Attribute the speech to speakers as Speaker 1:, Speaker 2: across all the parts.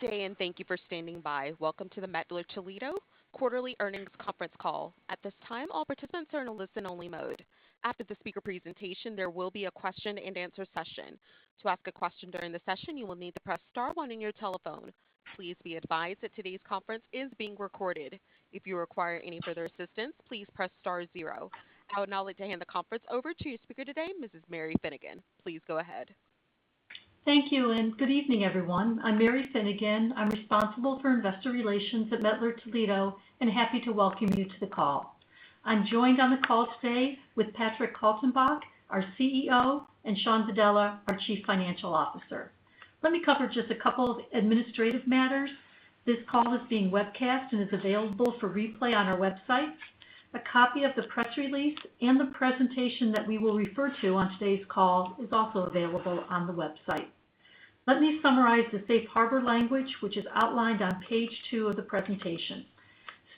Speaker 1: Good day and thank you for standing by. Welcome to the Mettler-Toledo quarterly earnings conference call. At this time, all participants are in a listen-only mode. After the speaker presentation, there will be a question-and-answer session. To ask a question during the session, you will need to press star one on your telephone. Please be advised that today's conference is being recorded. If you require any further assistance, please press star zero. I would now like to hand the conference over to your speaker today, Mrs. Mary Finnegan. Please go ahead.
Speaker 2: Thank you, and good evening, everyone. I'm Mary Finnegan. I'm responsible for investor relations at Mettler-Toledo and happy to welcome you to the call. I'm joined on the call today with Patrick Kaltenbach, our CEO, and Shawn Vadala, our Chief Financial Officer. Let me cover just a couple of administrative matters. This call is being webcast and is available for replay on our website. A copy of the press release and the presentation that we will refer to on today's call is also available on the website. Let me summarize the safe harbor language, which is outlined on page 2 of the presentation.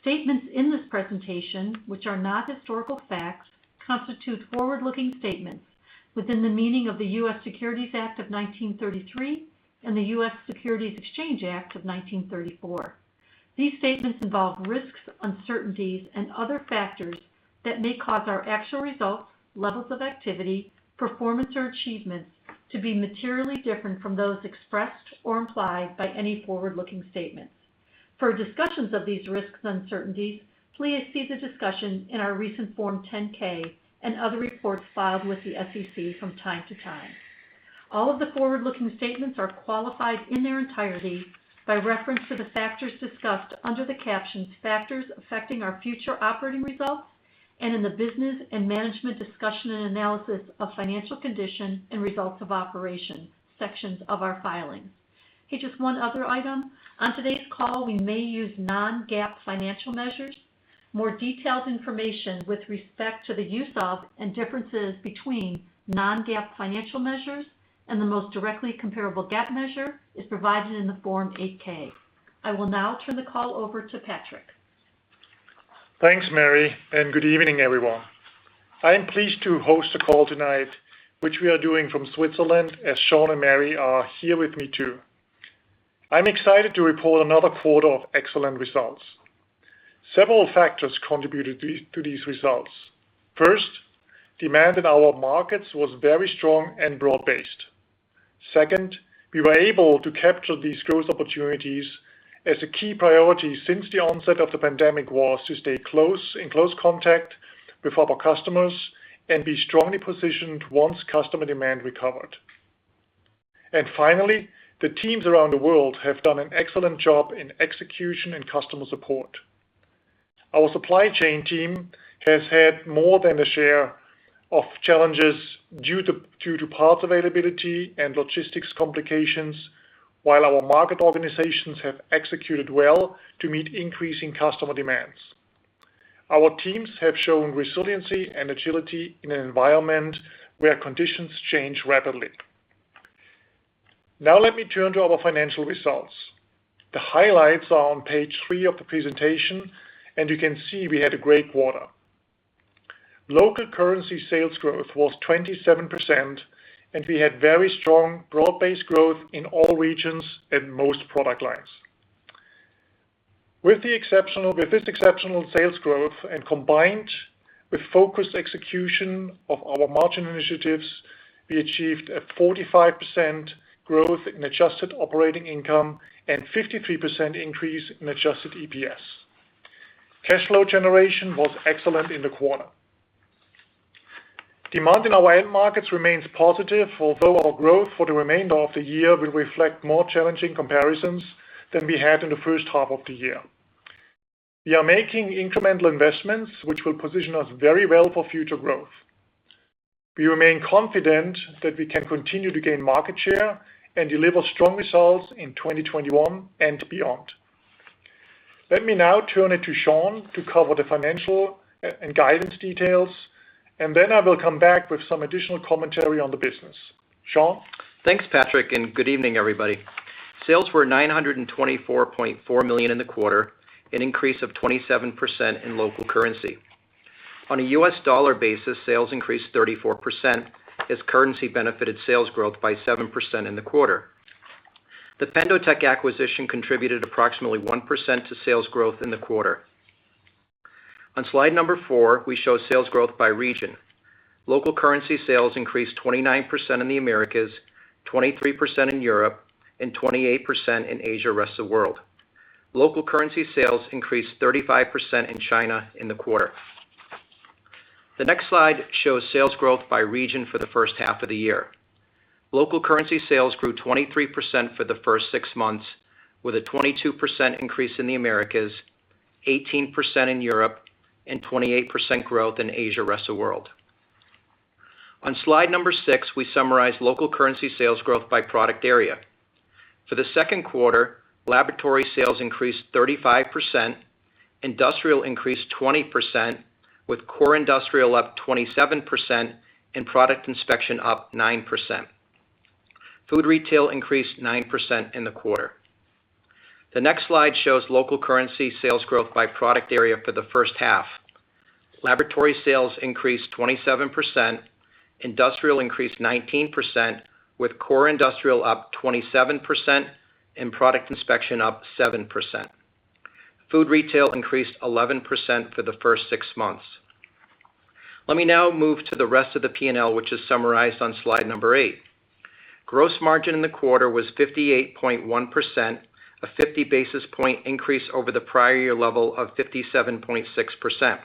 Speaker 2: Statements in this presentation, which are not historical facts, constitute forward-looking statements within the meaning of the U.S. Securities Act of 1933 and the U.S. Securities Exchange Act of 1934. These statements involve risks, uncertainties, and other factors that may cause our actual results, levels of activity, performance, or achievements to be materially different from those expressed or implied by any forward-looking statements. For discussions of these risks and uncertainties, please see the discussion in our recent Form 10-K and other reports filed with the SEC from time to time. All of the forward-looking statements are qualified in their entirety by reference to the factors discussed under the captions "Factors Affecting Our Future Operating Results" and in the "Business and Management Discussion and Analysis of Financial Condition and Results of Operation" sections of our filing. Okay, just one other item. On today's call, we may use non-GAAP financial measures. More detailed information with respect to the use of and differences between non-GAAP financial measures and the most directly comparable GAAP measure is provided in the Form 8-K. I will now turn the call over to Patrick.
Speaker 3: Thanks, Mary. Good evening, everyone. I am pleased to host the call tonight, which we are doing from Switzerland, as Shawn and Mary are here with me, too. I'm excited to report another quarter of excellent results. Several factors contributed to these results. First, demand in our markets was very strong and broad-based. Second, we were able to capture these growth opportunities as a key priority since the onset of the pandemic was to stay in close contact with our customers and be strongly positioned once customer demand recovered. Finally, the teams around the world have done an excellent job in execution and customer support. Our supply chain team has had more than a share of challenges due to parts availability and logistics complications, while our market organizations have executed well to meet increasing customer demands. Let me turn to our financial results. The highlights are on page 3 of the presentation. You can see we had a great quarter. Local currency sales growth was 27%. We had very strong broad-based growth in all regions and most product lines. With this exceptional sales growth and combined with focused execution of our margin initiatives, we achieved a 45% growth in adjusted operating income and 53% increase in adjusted EPS. Cash flow generation was excellent in the quarter. Demand in our end markets remains positive, although our growth for the remainder of the year will reflect more challenging comparisons than we had in the first half of the year. We are making incremental investments, which will position us very well for future growth. We remain confident that we can continue to gain market share and deliver strong results in 2021 and beyond. Let me now turn it to Shawn to cover the financial and guidance details, and then I will come back with some additional commentary on the business. Shawn?
Speaker 4: Thanks, Patrick, and good evening, everybody. Sales were $924.4 million in the quarter, an increase of 27% in local currency. On a U.S. dollar basis, sales increased 34% as currency benefited sales growth by 7% in the quarter. The PendoTECH acquisition contributed approximately 1% to sales growth in the quarter. On slide number four, we show sales growth by region. Local currency sales increased 29% in the Americas, 23% in Europe, and 28% in Asia/rest of the world. Local currency sales increased 35% in China in the quarter. The next slide shows sales growth by region for the first half of the year. Local currency sales grew 23% for the first six months, with a 22% increase in the Americas, 18% in Europe, and 28% growth in Asia/rest of world. On slide number six, we summarize local currency sales growth by product area. For the second quarter, laboratory sales increased 35%, industrial increased 20%, with core industrial up 27% and product inspection up 9%. Food retail increased 9% in the quarter. The next slide shows local currency sales growth by product area for the first half. Laboratory sales increased 27%, industrial increased 19%, with core industrial up 27%, and product inspection up 7%. Food retail increased 11% for the first six months. Let me now move to the rest of the P&L, which is summarized on slide number 8. Gross margin in the quarter was 58.1%, a 50 basis point increase over the prior year level of 57.6%.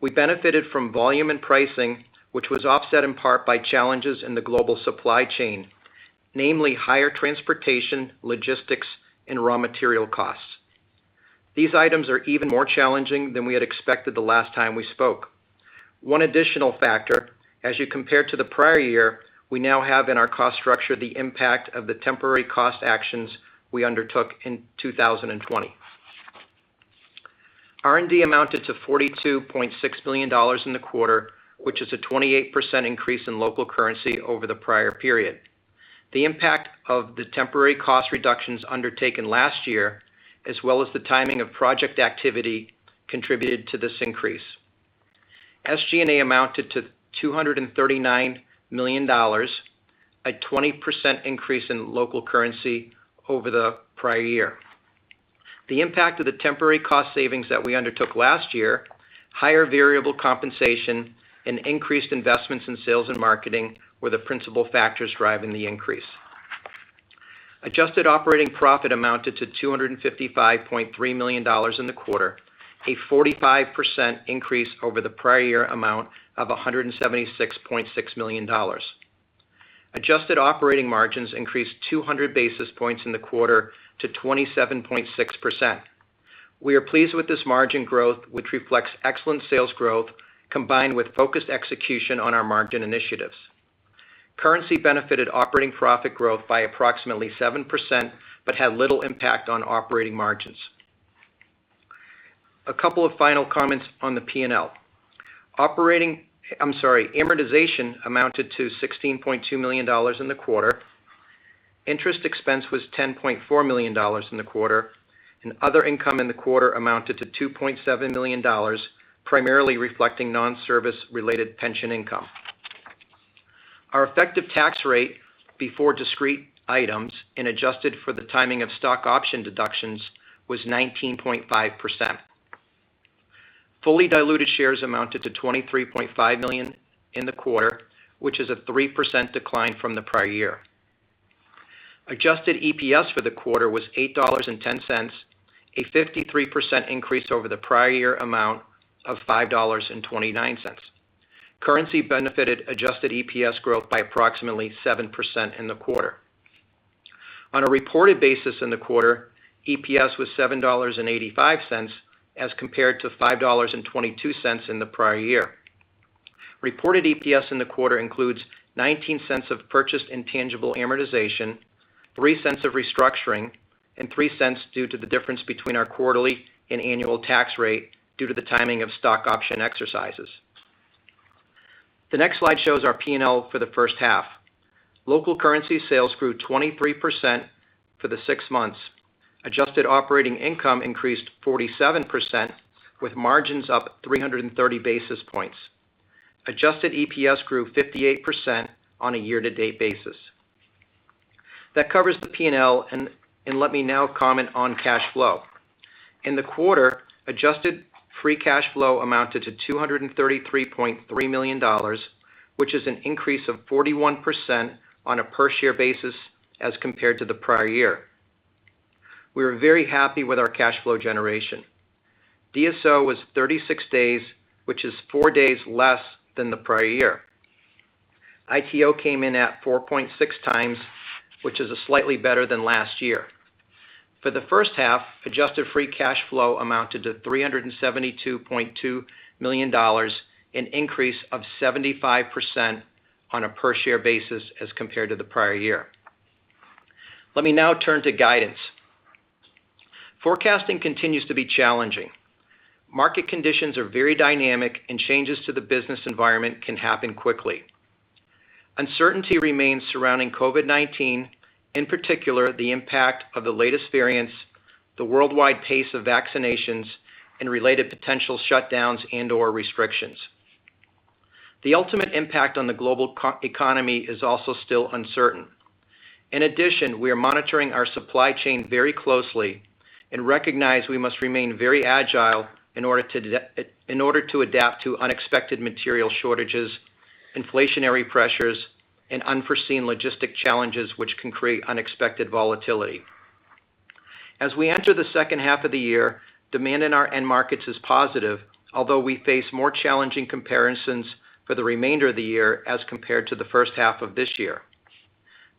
Speaker 4: We benefited from volume and pricing, which was offset in part by challenges in the global supply chain, namely higher transportation, logistics, and raw material costs. These items are even more challenging than we had expected the last time we spoke. One additional factor, as you compare to the prior year, we now have in our cost structure the impact of the temporary cost actions we undertook in 2020. R&D amounted to $42.6 million in the quarter, which is a 28% increase in local currency over the prior period. The impact of the temporary cost reductions undertaken last year, as well as the timing of project activity, contributed to this increase. SG&A amounted to $239 million, a 20% increase in local currency over the prior year. The impact of the temporary cost savings that we undertook last year, higher variable compensation, and increased investments in sales and marketing were the principal factors driving the increase. Adjusted operating profit amounted to $255.3 million in the quarter, a 45% increase over the prior year amount of $176.6 million. Adjusted operating margins increased 200 basis points in the quarter to 27.6%. We are pleased with this margin growth, which reflects excellent sales growth combined with focused execution on our margin initiatives. Currency benefited operating profit growth by approximately 7% but had little impact on operating margins. A couple of final comments on the P&L. Amortization amounted to $16.2 million in the quarter. Interest expense was $10.4 million in the quarter, and other income in the quarter amounted to $2.7 million, primarily reflecting non-service related pension income. Our effective tax rate before discrete items and adjusted for the timing of stock option deductions was 19.5%. Fully diluted shares amounted to 23.5 million in the quarter, which is a 3% decline from the prior year. Adjusted EPS for the quarter was $8.10, a 53% increase over the prior year amount of $5.29. Currency benefited adjusted EPS growth by approximately 7% in the quarter. On a reported basis in the quarter, EPS was $7.85 as compared to $5.22 in the prior year. Reported EPS in the quarter includes $0.19 of purchased intangible amortization, $0.03 of restructuring, and $0.03 due to the difference between our quarterly and annual tax rate due to the timing of stock option exercises. The next slide shows our P&L for the first half. Local currency sales grew 23% for the six months. Adjusted operating income increased 47%, with margins up 330 basis points. Adjusted EPS grew 58% on a year to date basis. That covers the P&L, and let me now comment on cash flow. In the quarter, adjusted free cash flow amounted to $233.3 million, which is an increase of 41% on a per share basis as compared to the prior year. We were very happy with our cash flow generation. DSO was 36 days, which is four days less than the prior year. ITO came in at 4.6 times, which is slightly better than last year. For the first half, adjusted free cash flow amounted to $372.2 million, an increase of 75% on a per share basis as compared to the prior year. Let me now turn to guidance. Forecasting continues to be challenging. Market conditions are very dynamic, and changes to the business environment can happen quickly. Uncertainty remains surrounding COVID-19, in particular, the impact of the latest variants, the worldwide pace of vaccinations, and related potential shutdowns and/or restrictions. The ultimate impact on the global economy is also still uncertain. In addition, we are monitoring our supply chain very closely and recognize we must remain very agile in order to adapt to unexpected material shortages, inflationary pressures, and unforeseen logistic challenges which can create unexpected volatility. As we enter the second half of the year, demand in our end markets is positive, although we face more challenging comparisons for the remainder of the year as compared to the first half of this year.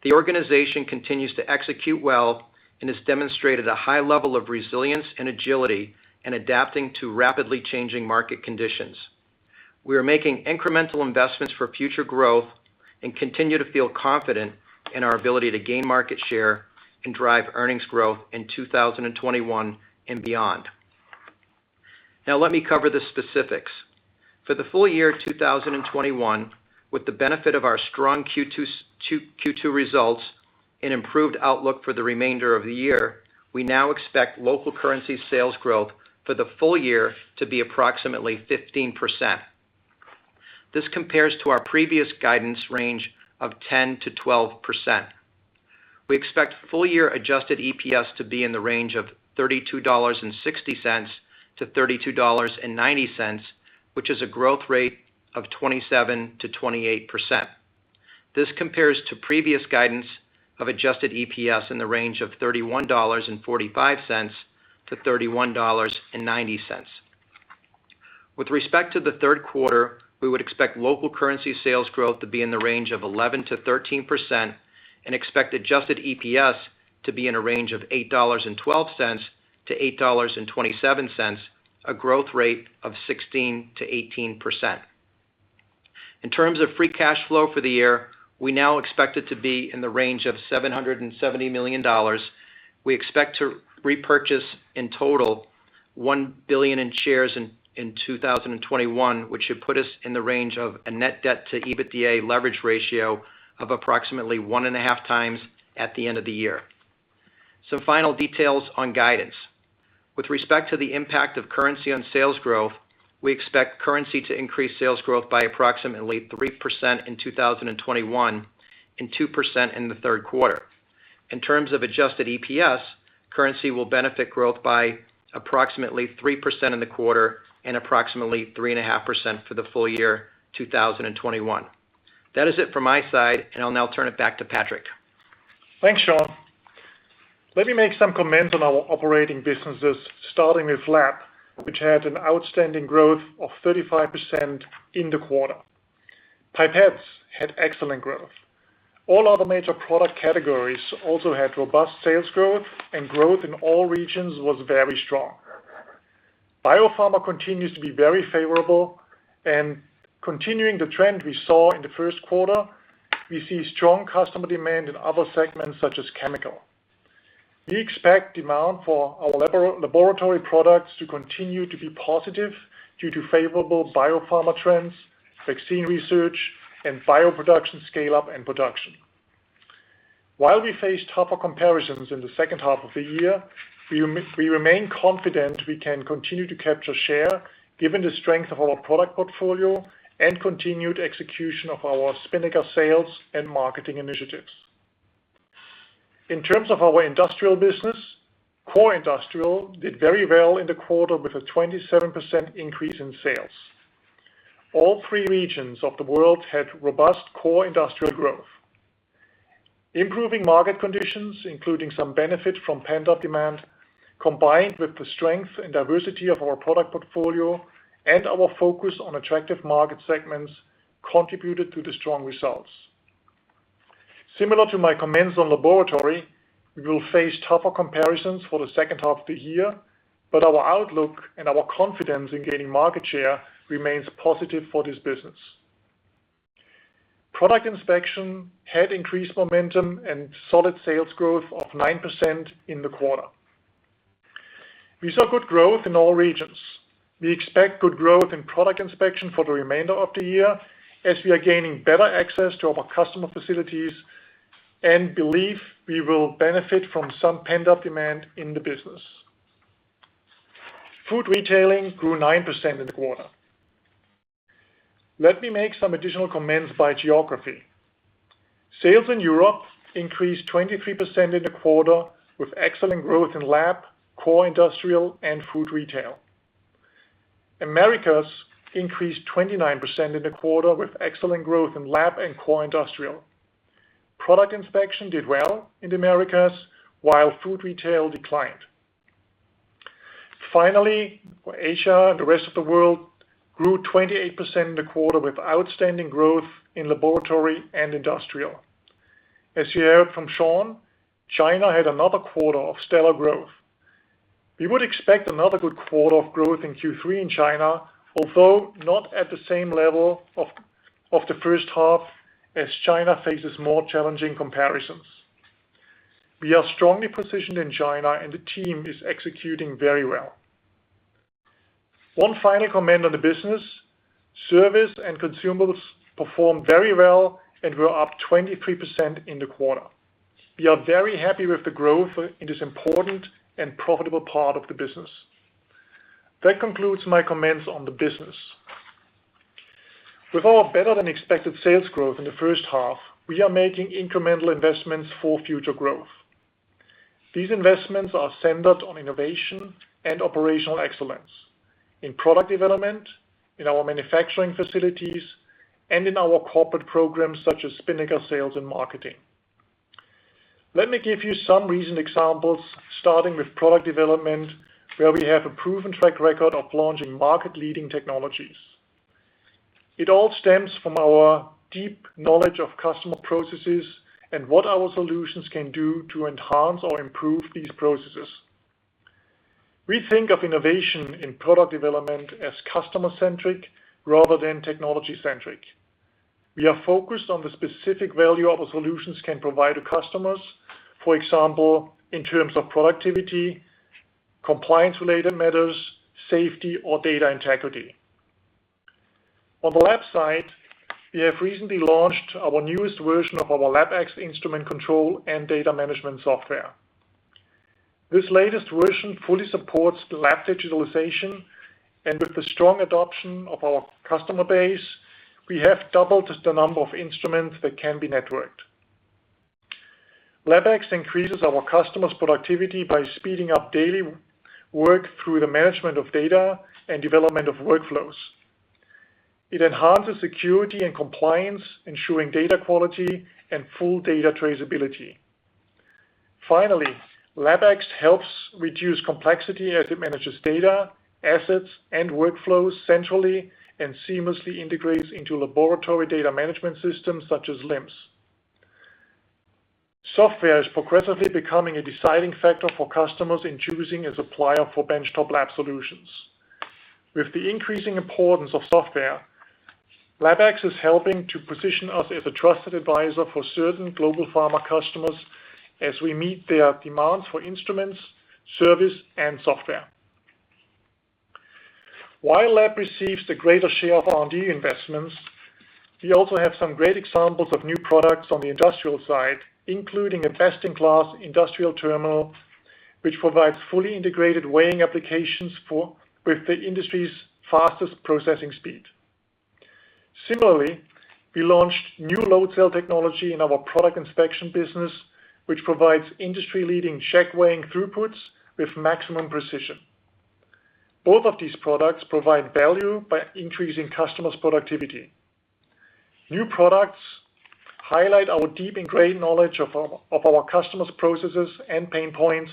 Speaker 4: The organization continues to execute well and has demonstrated a high level of resilience and agility in adapting to rapidly changing market conditions. We are making incremental investments for future growth and continue to feel confident in our ability to gain market share and drive earnings growth in 2021 and beyond. Now, let me cover the specifics. For the full year 2021, with the benefit of our strong Q2 results and improved outlook for the remainder of the year, we now expect local currency sales growth for the full year to be approximately 15%. This compares to our previous guidance range of 10%-12%. We expect full year adjusted EPS to be in the range of $32.60-$32.90, which is a growth rate of 27%-28%. This compares to previous guidance of adjusted EPS in the range of $31.45-$31.90. With respect to the third quarter, we would expect local currency sales growth to be in the range of 11%-13%, and expect adjusted EPS to be in a range of $8.12-$8.27, a growth rate of 16%-18%. In terms of free cash flow for the year, we now expect it to be in the range of $770 million. We expect to repurchase in total $1 billion in shares in 2021, which should put us in the range of a net debt to EBITDA leverage ratio of approximately 1.5 times at the end of the year. Some final details on guidance. With respect to the impact of currency on sales growth, we expect currency to increase sales growth by approximately 3% in 2021, and 2% in the third quarter. In terms of adjusted EPS, currency will benefit growth by approximately 3% in the quarter and approximately 3.5% for the full year 2021. That is it from my side, and I'll now turn it back to Patrick.
Speaker 3: Thanks, Shawn. Let me make some comments on our operating businesses, starting with lab, which had an outstanding growth of 35% in the quarter. Pipettes had excellent growth. All other major product categories also had robust sales growth, and growth in all regions was very strong. Biopharma continues to be very favorable, and continuing the trend we saw in the first quarter, we see strong customer demand in other segments such as chemical. We expect demand for our laboratory products to continue to be positive due to favorable biopharma trends, vaccine research, and bioproduction scale-up and production. While we face tougher comparisons in the second half of the year, we remain confident we can continue to capture share given the strength of our product portfolio and continued execution of our Spinnaker sales and marketing initiatives. In terms of our industrial business, core industrial did very well in the quarter with a 27% increase in sales. All three regions of the world had robust core industrial growth. Improving market conditions, including some benefit from pent-up demand, combined with the strength and diversity of our product portfolio and our focus on attractive market segments, contributed to the strong results. Similar to my comments on laboratory, we will face tougher comparisons for the second half of the year, but our outlook and our confidence in gaining market share remains positive for this business. Product inspection had increased momentum and solid sales growth of 9% in the quarter. We saw good growth in all regions. We expect good growth in product inspection for the remainder of the year as we are gaining better access to our customer facilities and believe we will benefit from some pent-up demand in the business. Food retailing grew 9% in the quarter. Let me make some additional comments by geography. Sales in Europe increased 23% in the quarter with excellent growth in lab, core industrial, and food retail. Americas increased 29% in the quarter with excellent growth in lab and core industrial. Product inspection did well in the Americas while food retail declined. Finally, Asia and the rest of the world grew 28% in the quarter with outstanding growth in laboratory and industrial. As you heard from Shawn, China had another quarter of stellar growth. We would expect another good quarter of growth in Q3 in China, although not at the same level of the first half as China faces more challenging comparisons. We are strongly positioned in China and the team is executing very well. One final comment on the business. Service and consumables performed very well and were up 23% in the quarter. We are very happy with the growth in this important and profitable part of the business. That concludes my comments on the business. With our better-than-expected sales growth in the first half, we are making incremental investments for future growth. These investments are centered on innovation and operational excellence in product development, in our manufacturing facilities, and in our corporate programs such as Spinnaker sales and marketing. Let me give you some recent examples, starting with product development, where we have a proven track record of launching market-leading technologies. It all stems from our deep knowledge of customer processes and what our solutions can do to enhance or improve these processes. We think of innovation in product development as customer-centric rather than technology-centric. We are focused on the specific value our solutions can provide to customers. For example, in terms of productivity, compliance-related matters, safety, or data integrity. On the lab side, we have recently launched our newest version of our LabX instrument control and data management software. This latest version fully supports the lab digitalization, and with the strong adoption of our customer base, we have doubled the number of instruments that can be networked. LabX increases our customers' productivity by speeding up daily work through the management of data and development of workflows. It enhances security and compliance, ensuring data quality and full data traceability. LabX helps reduce complexity as it manages data, assets, and workflows centrally and seamlessly integrates into laboratory data management systems such as LIMS. Software is progressively becoming a deciding factor for customers in choosing a supplier for benchtop lab solutions. With the increasing importance of software, LabX is helping to position us as a trusted advisor for certain global pharma customers as we meet their demands for instruments, service, and software. While lab receives the greater share of R&D investments, we also have some great examples of new products on the industrial side, including a best-in-class industrial terminal, which provides fully integrated weighing applications with the industry's fastest processing speed. We launched new load cell technology in our product inspection business, which provides industry-leading checkweighing throughputs with maximum precision. Both of these products provide value by increasing customers' productivity. New products highlight our deep and great knowledge of our customers' processes and pain points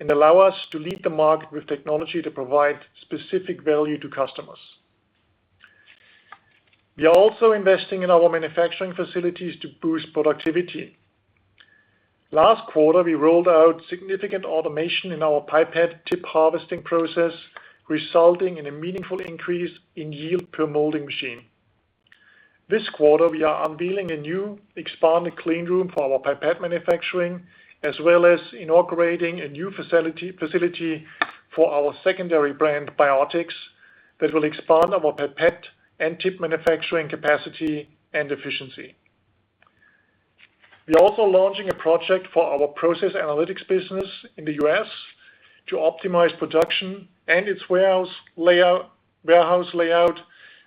Speaker 3: and allow us to lead the market with technology to provide specific value to customers. We are also investing in our manufacturing facilities to boost productivity. Last quarter, we rolled out significant automation in our pipette tip harvesting process, resulting in a meaningful increase in yield per molding machine. This quarter, we are unveiling a new expanded clean room for our pipette manufacturing, as well as inaugurating a new facility for our secondary brand, Biotix, that will expand our pipette and tip manufacturing capacity and efficiency. We are also launching a project for our process analytics business in the U.S. to optimize production and its warehouse layout,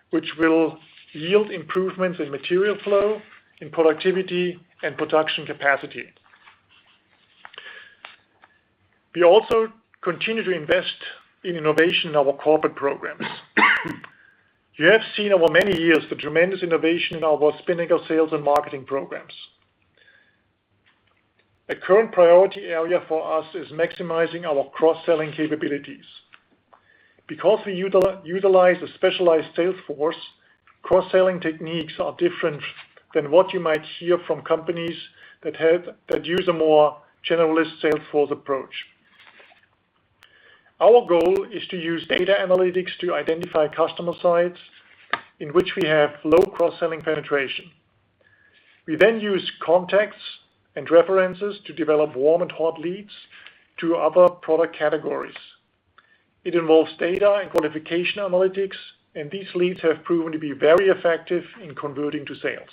Speaker 3: which will yield improvements in material flow, in productivity, and production capacity. We also continue to invest in innovation in our corporate programs. You have seen over many years the tremendous innovation in our Spinnaker sales and marketing programs. A current priority area for us is maximizing our cross-selling capabilities. Because we utilize a specialized sales force, cross-selling techniques are different than what you might hear from companies that use a more generalist sales force approach. Our goal is to use data analytics to identify customer sites in which we have low cross-selling penetration. We then use contacts and references to develop warm and hot leads to other product categories. It involves data and qualification analytics, and these leads have proven to be very effective in converting to sales.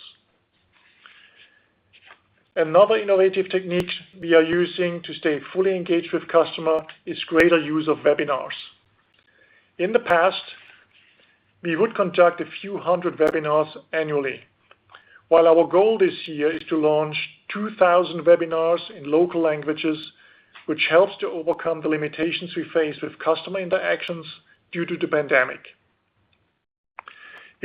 Speaker 3: Another innovative technique we are using to stay fully engaged with customer is greater use of webinars. In the past, we would conduct a few hundred webinars annually. Our goal this year is to launch 2,000 webinars in local languages, which helps to overcome the limitations we face with customer interactions due to the pandemic.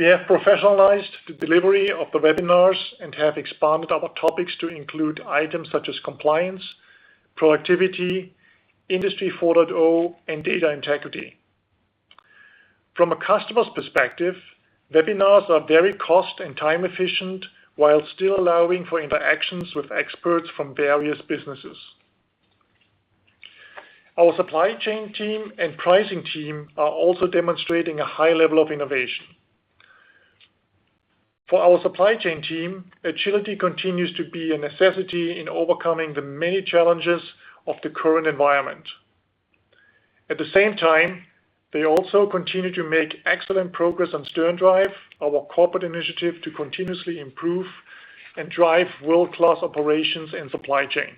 Speaker 3: We have professionalized the delivery of the webinars and have expanded our topics to include items such as compliance, productivity, Industry 4.0, and data integrity. From a customer's perspective, webinars are very cost and time efficient while still allowing for interactions with experts from various businesses. Our supply chain team and pricing team are also demonstrating a high level of innovation. For our supply chain team, agility continues to be a necessity in overcoming the many challenges of the current environment. At the same time, they also continue to make excellent progress on SternDrive, our corporate initiative to continuously improve and drive world-class operations and supply chain.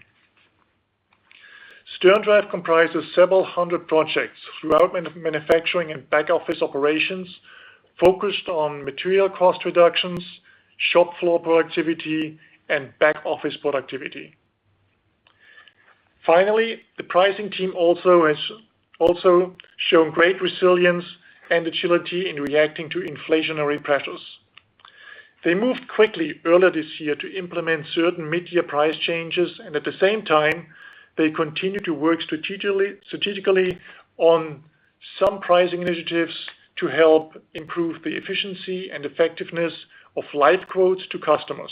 Speaker 3: SternDrive comprises several 100 projects throughout manufacturing and back-office operations, focused on material cost reductions, shop floor productivity, and back-office productivity. Finally, the pricing team has also shown great resilience and agility in reacting to inflationary pressures. They moved quickly earlier this year to implement certain mid-year price changes, and at the same time, they continue to work strategically on some pricing initiatives to help improve the efficiency and effectiveness of live quotes to customers.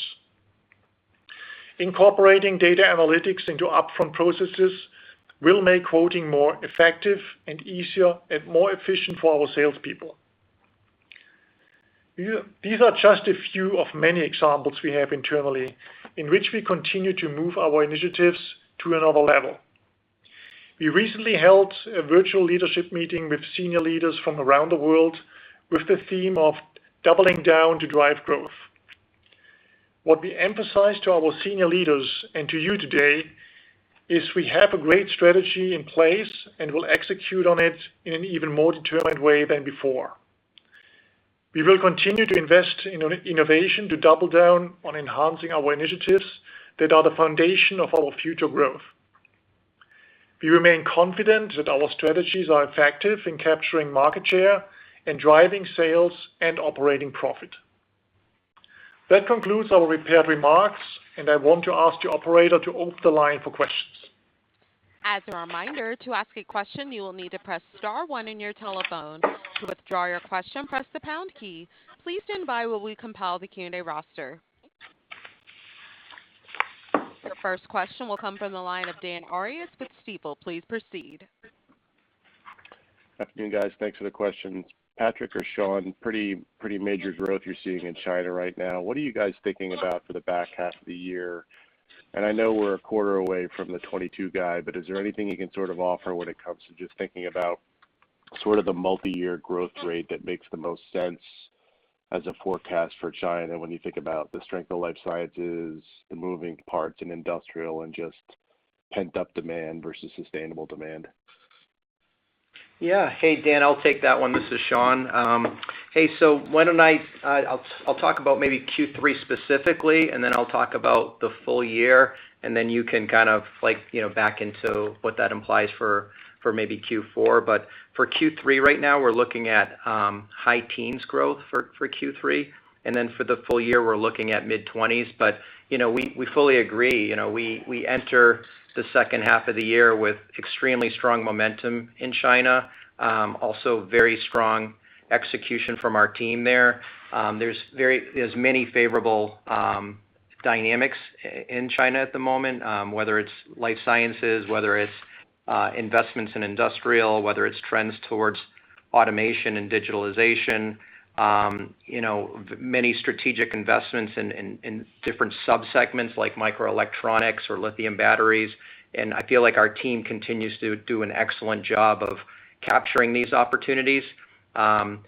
Speaker 3: Incorporating data analytics into upfront processes will make quoting more effective and easier and more efficient for our salespeople. These are just a few of many examples we have internally in which we continue to move our initiatives to another level. We recently held a virtual leadership meeting with senior leaders from around the world with the theme of doubling down to drive growth. What we emphasized to our senior leaders and to you today is we have a great strategy in place, and we'll execute on it in an even more determined way than before. We will continue to invest in innovation to double down on enhancing our initiatives that are the foundation of our future growth. We remain confident that our strategies are effective in capturing market share and driving sales and operating profit. That concludes our prepared remarks, and I want to ask the operator to open the line for questions.
Speaker 1: As a reminder, to ask a question, you will need to press star one on your telephone. To withdraw your question, press the pound key. Please stand by while we compile the Q&A roster. Your first question will come from the line of Dan Arias with Stifel. Please proceed.
Speaker 5: Afternoon, guys. Thanks for the questions. Patrick or Shawn, pretty major growth you're seeing in China right now. What are you guys thinking about for the back half of the year? I know we're a quarter away from the 2022 guide, but is there anything you can sort of offer when it comes to just thinking about sort of the multi-year growth rate that makes the most sense as a forecast for China when you think about the strength of life sciences, the moving parts in industrial, and just pent-up demand versus sustainable demand?
Speaker 4: Hey, Dan, I'll take that one. This is Shawn. Why don't I talk about maybe Q3 specifically, and then I'll talk about the full year, and then you can kind of back into what that implies for maybe Q4. For Q3 right now, we're looking at high teens growth for Q3, and then for the full year, we're looking at mid-20s. We fully agree. We enter the second half of the year with extremely strong momentum in China. Also very strong execution from our team there. There are many favorable dynamics in China at the moment, whether it's life sciences, whether it's investments in industrial, whether it's trends towards automation and digitalization. Many strategic investments in different sub-segments, like microelectronics or lithium batteries. I feel like our team continues to do an excellent job of capturing these opportunities. One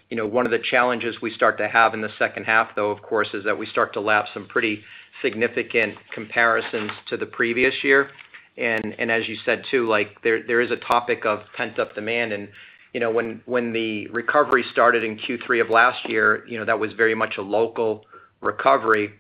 Speaker 4: of the challenges we start to have in the second half, though, of course, is that we start to lap some pretty significant comparisons to the previous year. As you said too, there is a topic of pent-up demand, and when the recovery started in Q3 of last year, that was very much a local recovery.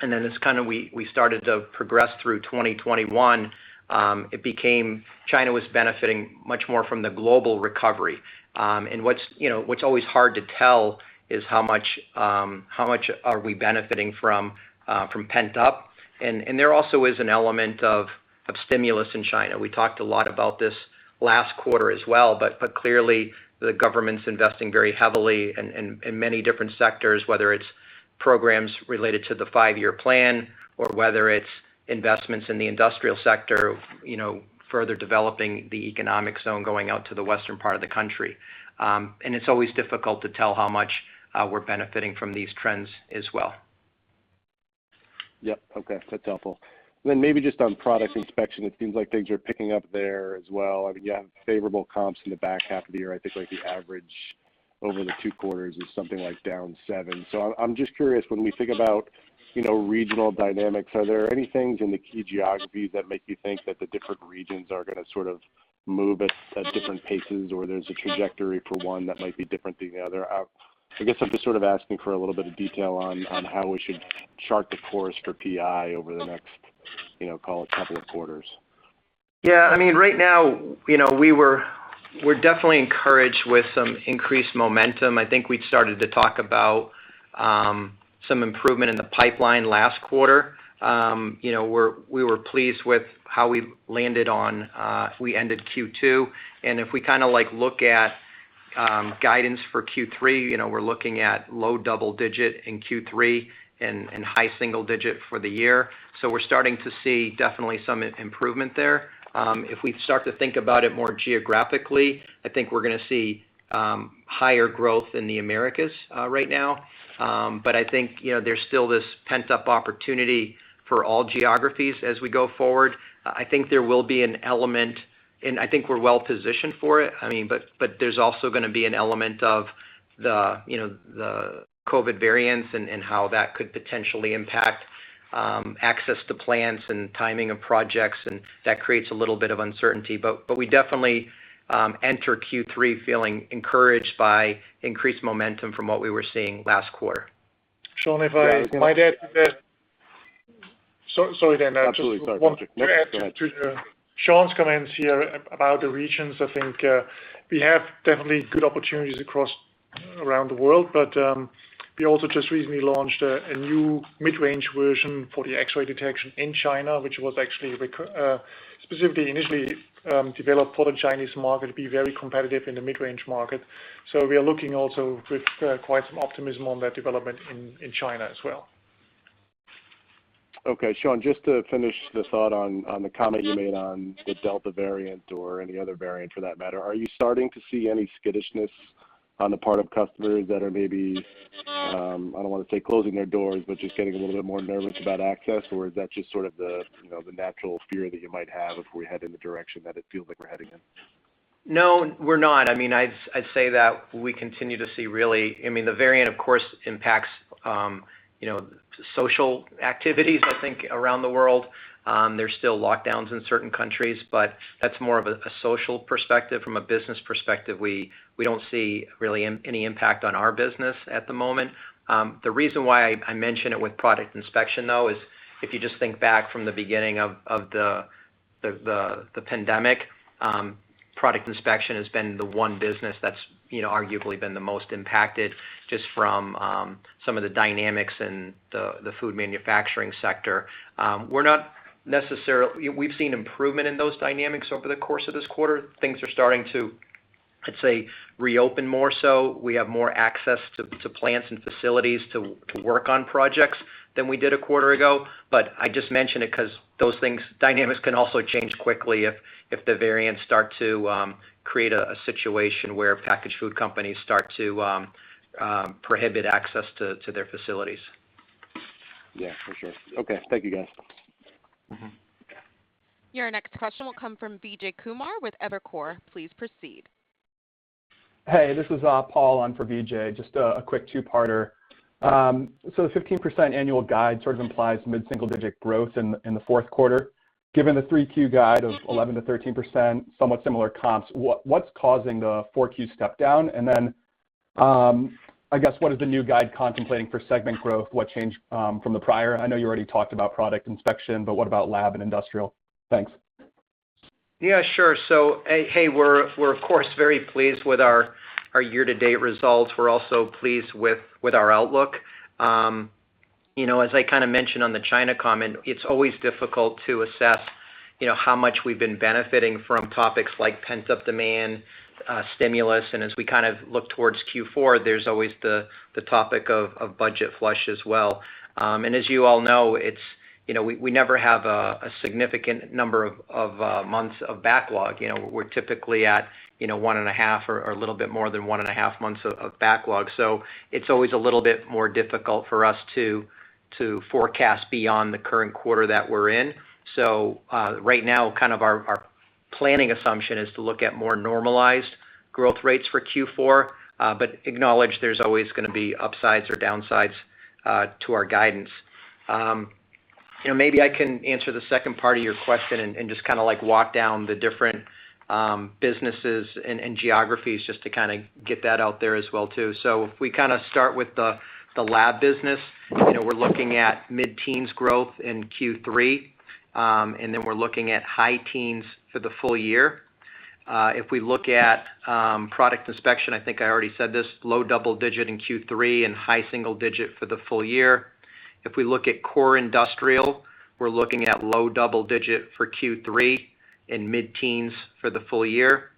Speaker 4: Then as we started to progress through 2021, China was benefiting much more from the global recovery. What's always hard to tell is how much are we benefiting from pent-up. There also is an element of stimulus in China. We talked a lot about this last quarter as well, but clearly the government's investing very heavily in many different sectors, whether it's programs related to the five-year plan or whether it's investments in the industrial sector, further developing the economic zone going out to the western part of the country. It's always difficult to tell how much we're benefiting from these trends as well.
Speaker 5: Yep. Okay. That's helpful. Maybe just on product inspection, it seems like things are picking up there as well. You have favorable comps in the back half of the year. I think the average over the two quarters is something like down 7. I'm just curious, when we think about regional dynamics, are there any things in the key geographies that make you think that the different regions are going to sort of move at different paces or there's a trajectory for one that might be different than the other? I guess I'm just sort of asking for a little bit of detail on how we should chart the course for PI over the next call it couple of quarters.
Speaker 4: Yeah, right now we're definitely encouraged with some increased momentum. I think we'd started to talk about some improvement in the pipeline last quarter. We were pleased with how we ended Q2. If we kind of look at guidance for Q3, we're looking at low double-digit in Q3 and high single-digit for the year. We're starting to see definitely some improvement there. If we start to think about it more geographically, I think we're going to see higher growth in the Americas right now. I think there's still this pent-up opportunity for all geographies as we go forward. I think there will be an element, and I think we're well-positioned for it, but there's also going to be an element of the COVID variants and how that could potentially impact access to plants and timing of projects. That creates a little bit of uncertainty. We definitely enter Q3 feeling encouraged by increased momentum from what we were seeing last quarter.
Speaker 3: Shawn, if I might add to that. Sorry, Dan.
Speaker 5: Absolutely. Sorry, Patrick. No, go ahead.
Speaker 3: I just want to add to Shawn's comments here about the regions. I think we have definitely good opportunities across around the world. We also just recently launched a new mid-range version for the X-ray detection in China, which was actually specifically initially developed for the Chinese market to be very competitive in the mid-range market. We are looking also with quite some optimism on that development in China as well.
Speaker 5: Okay, Shawn, just to finish the thought on the comment you made on the Delta variant or any other variant for that matter, are you starting to see any skittishness on the part of customers that are maybe, I don't want to say closing their doors, but just getting a little bit more nervous about access, or is that just sort of the natural fear that you might have if we head in the direction that it feels like we're heading in?
Speaker 4: No, we're not. I'd say that we continue to see. The Delta variant, of course, impacts social activities, I think, around the world. There's still lockdowns in certain countries. That's more of a social perspective. From a business perspective, we don't see really any impact on our business at the moment. The reason why I mention it with product inspection, though, is if you just think back from the beginning of the COVID-19 pandemic, product inspection has been the one business that's arguably been the most impacted just from some of the dynamics in the food manufacturing sector. We've seen improvement in those dynamics over the course of this quarter. Things are starting to, let's say, reopen more so. We have more access to plants and facilities to work on projects than we did a quarter ago. I just mention it because those dynamics can also change quickly if the variants start to create a situation where packaged food companies start to prohibit access to their facilities.
Speaker 5: Yeah, for sure. Okay. Thank you, guys.
Speaker 1: Your next question will come from Vijay Kumar with Evercore. Please proceed.
Speaker 6: Hey, this is Paul on for Vijay Kumar. Just a quick two-parter. The 15% annual guide sort of implies mid-single-digit growth in the 4Q. Given the 3Q guide of 11%-13%, somewhat similar comps, what's causing the 4Q step down? I guess, what is the new guide contemplating for segment growth? What changed from the prior? I know you already talked about Product Inspection, but what about Lab and Industrial? Thanks.
Speaker 4: Yeah, sure. Hey, we're of course very pleased with our year-to-date results. We're also pleased with our outlook. As I kind of mentioned on the China comment, it's always difficult to assess how much we've been benefiting from topics like pent-up demand stimulus. As we kind of look towards Q4, there's always the topic of budget flush as well. As you all know, we never have a significant number of months of backlog. We're typically at 1.5 or a little bit more than 1.5 months of backlog. It's always a little bit more difficult for us to forecast beyond the current quarter that we're in. Right now, kind of our planning assumption is to look at more normalized growth rates for Q4, but acknowledge there's always going to be upsides or downsides to our guidance. Maybe I can answer the second part of your question and just kind of walk down the different businesses and geographies just to kind of get that out there as well too. If we kind of start with the lab business, we're looking at mid-teens growth in Q3, and then we're looking at high teens for the full year. If we look at product inspection, I think I already said this, low double digit in Q3 and high single digit for the full year. If we look at core industrial, we're looking at low double digit for Q3 and mid-teens for the full year.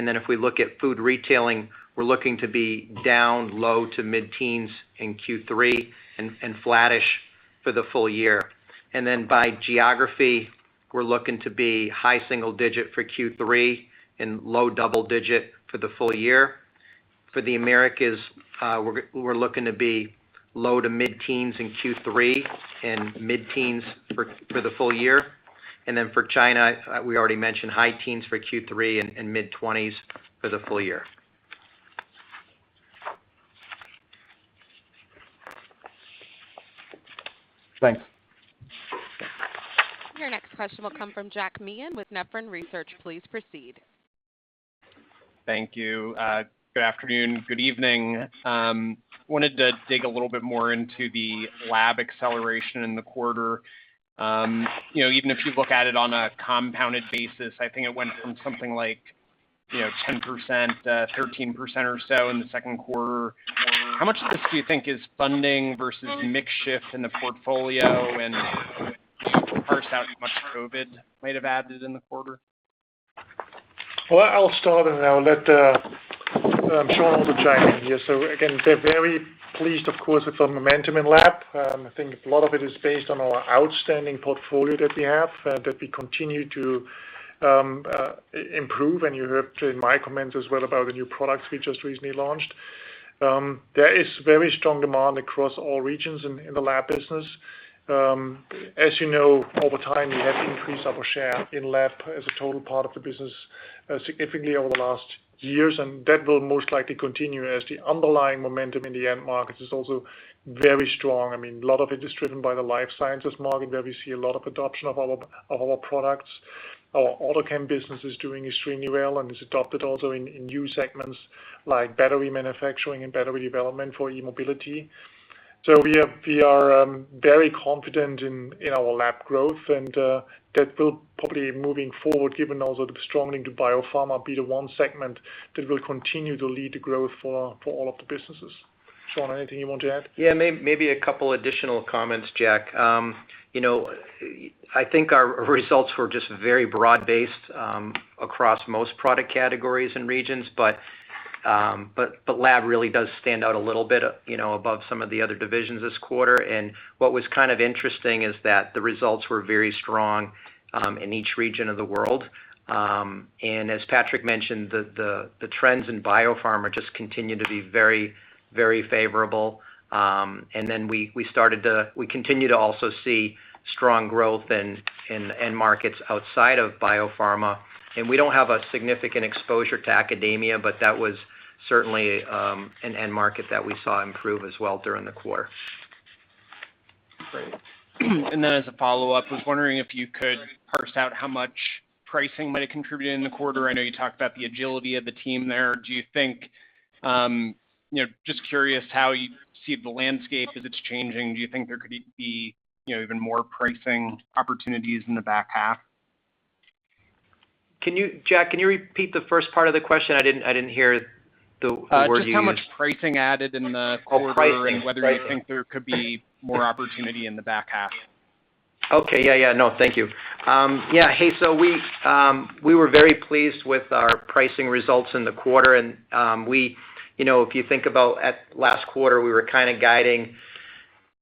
Speaker 4: If we look at food retailing, we're looking to be down low to mid-teens in Q3 and flattish for the full year. By geography, we're looking to be high single digit for Q3 and low double digit for the full year. For the Americas, we're looking to be low-10s to mid-10s in Q3 and mid-10s for the full year. For China, we already mentioned high 10s for Q3 and mid-20s for the full year.
Speaker 6: Thanks.
Speaker 1: Your next question will come from Jack Meehan with Nephron Research. Please proceed.
Speaker 7: Thank you. Good afternoon. Good evening. I wanted to dig a little bit more into the lab acceleration in the quarter. Even if you look at it on a compounded basis, I think it went from something like 10%, 13% or so in the second quarter. How much of this do you think is funding versus mix shift in the portfolio? Can you parse out how much COVID might have added in the quarter?
Speaker 3: Well, I'll start and I'll let Shawn also chime in here. Again, we're very pleased, of course, with the momentum in Lab. I think a lot of it is based on our outstanding portfolio that we have, that we continue to improve. You heard in my comments as well about the new products we just recently launched. There is very strong demand across all regions in the Lab business. As you know, over time, we have increased our share in Lab as a total part of the business significantly over the last years, and that will most likely continue as the underlying momentum in the end market is also very strong. A lot of it is driven by the life sciences market, where we see a lot of adoption of our products. Our AutoChem business is doing extremely well and is adopted also in new segments like battery manufacturing and battery development for e-mobility. We are very confident in our lab growth, and that will probably, moving forward, given also the strong link to biopharma, be the one segment that will continue to lead the growth for all of the businesses. Shawn, anything you want to add?
Speaker 4: Yeah, maybe a couple additional comments, Jack. I think our results were just very broad-based across most product categories and regions, But lab really does stand out a little bit above some of the other divisions this quarter. What was interesting is that the results were very strong in each region of the world. As Patrick mentioned, the trends in biopharma just continue to be very favorable. Then we continue to also see strong growth in end markets outside of biopharma. We don't have a significant exposure to academia, but that was certainly an end market that we saw improve as well during the quarter.
Speaker 7: Great. As a follow-up, I was wondering if you could parse out how much pricing might have contributed in the quarter. I know you talked about the agility of the team there. Just curious how you see the landscape as it's changing. Do you think there could be even more pricing opportunities in the back half?
Speaker 4: Jack, can you repeat the first part of the question? I didn't hear the word you used.
Speaker 7: Just how much pricing added in the quarter?
Speaker 4: Oh, pricing.
Speaker 7: Whether you think there could be more opportunity in the back half.
Speaker 4: Okay. Yeah. No, thank you. Yeah. We were very pleased with our pricing results in the quarter, and if you think about at last quarter, we were guiding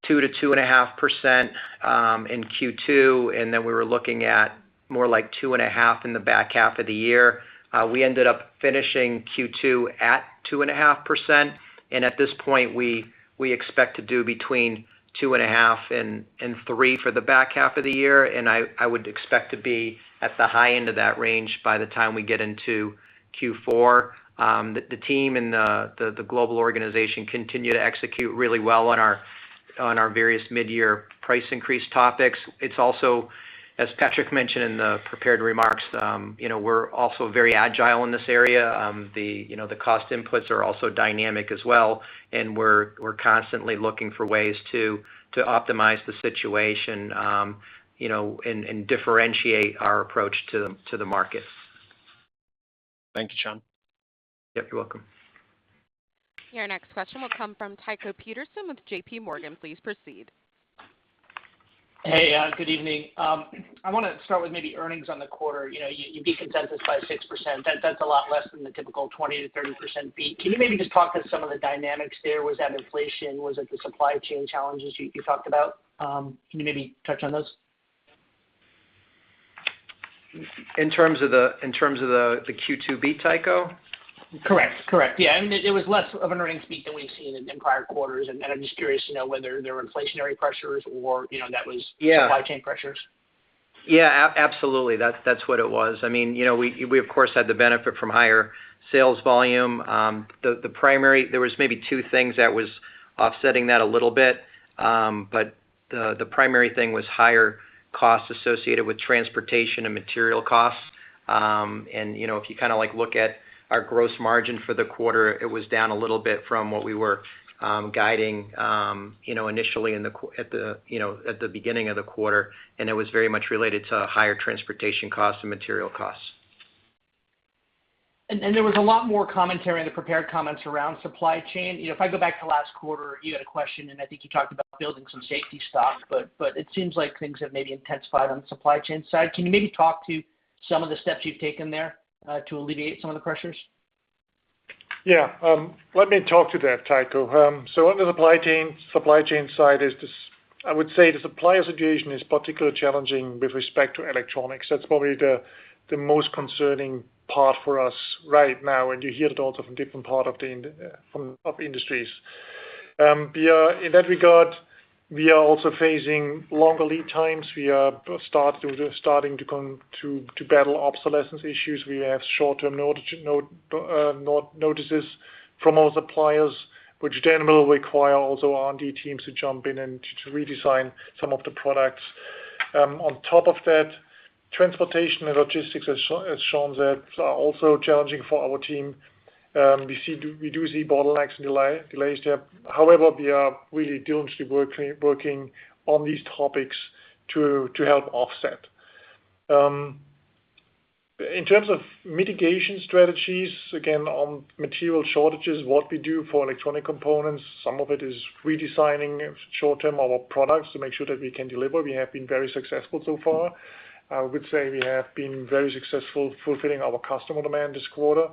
Speaker 4: 2%-2.5% in Q2, then we were looking at more like 2.5% in the back half of the year. We ended up finishing Q2 at 2.5%, at this point, we expect to do between 2.5% and 3% for the back half of the year. I would expect to be at the high end of that range by the time we get into Q4. The team and the global organization continue to execute really well on our various mid-year price increase topics. It's also, as Patrick mentioned in the prepared remarks, we're also very agile in this area. The cost inputs are also dynamic as well, and we're constantly looking for ways to optimize the situation, and differentiate our approach to the market.
Speaker 7: Thank you, Shawn.
Speaker 4: Yep, you're welcome.
Speaker 1: Your next question will come from Tycho Peterson of JPMorgan. Please proceed.
Speaker 8: Hey. Good evening. I want to start with maybe earnings on the quarter. You beat consensus by 6%. That's a lot less than the typical 20%-30% beat. Can you maybe just talk to some of the dynamics there? Was that inflation? Was it the supply chain challenges you talked about? Can you maybe touch on those?
Speaker 4: In terms of the Q2 beat, Tycho?
Speaker 8: Correct. Yeah, I mean, it was less of an earnings beat than we've seen in prior quarters. I'm just curious to know whether there were inflationary pressures. Supply chain pressures.
Speaker 4: Yeah, absolutely. That's what it was. We, of course, had the benefit from higher sales volume. The primary thing was higher costs associated with transportation and material costs. If you look at our gross margin for the quarter, it was down a little bit from what we were guiding initially at the beginning of the quarter. It was very much related to higher transportation costs and material costs.
Speaker 8: There was a lot more commentary in the prepared comments around supply chain. If I go back to last quarter, you had a question, and I think you talked about building some safety stock, but it seems like things have maybe intensified on the supply chain side. Can you maybe talk to some of the steps you've taken there, to alleviate some of the pressures?
Speaker 3: Let me talk to that, Tycho. On the supply chain side, I would say the supplier situation is particularly challenging with respect to electronics. That's probably the most concerning part for us right now, and you hear it also from different part of industries. In that regard, we are also facing longer lead times. We are starting to battle obsolescence issues. We have short-term notices from our suppliers, which then will require also our R&D teams to jump in and to redesign some of the products. On top of that, transportation and logistics, as Shawn said, are also challenging for our team. We do see bottlenecks and delays there. However, we are really diligently working on these topics to help offset. In terms of mitigation strategies, again, on material shortages, what we do for electronic components, some of it is redesigning short-term our products to make sure that we can deliver. We have been very successful so far. I would say we have been very successful fulfilling our customer demand this quarter,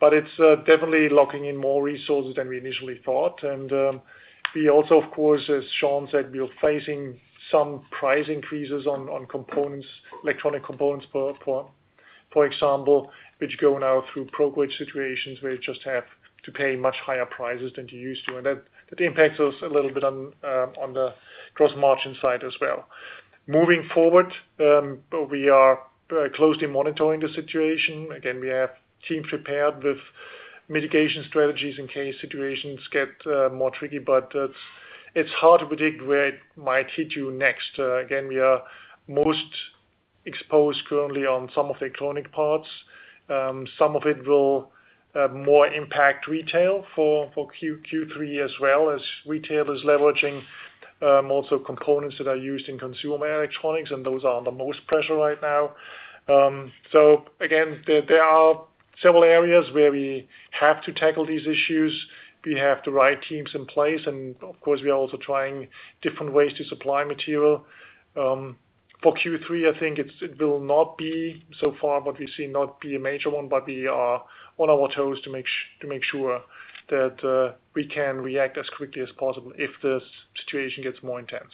Speaker 3: but it's definitely locking in more resources than we initially thought. We also, of course, as Shawn said, we are facing some price increases on electronic components, for example, which go now through brokerage situations where you just have to pay much higher prices than you used to, and that impacts us a little bit on the gross margin side as well. Moving forward, we are closely monitoring the situation. Again, we have teams prepared with mitigation strategies in case situations get more tricky, but it's hard to predict where it might hit you next. We are most exposed currently on some of the electronic parts. Some of it will more impact retail for Q3 as well as retailers leveraging also components that are used in consumer electronics, and those are under most pressure right now. There are several areas where we have to tackle these issues. We have the right teams in place, and of course, we are also trying different ways to supply material. For Q3, I think it will not be, so far what we see, not be a major one, but we are on our toes to make sure that we can react as quickly as possible if the situation gets more intense.